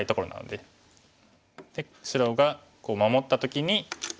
で白が守った時に。